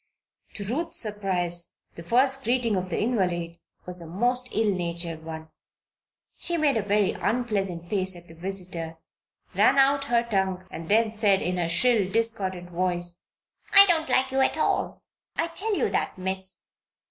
To Ruth's surprise the first greeting of the invalid was a most ill natured one. She made a very unpleasant face at the visitor, ran out her tongue, and then said, in her shrill, discordant voice: "I don't like you at all I tell you that, Miss!"